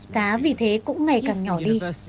đá vì thế cũng ngày càng nhỏ đi